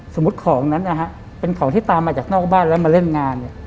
ของนั้นนะฮะเป็นของที่ตามมาจากนอกบ้านแล้วมาเล่นงานเนี่ย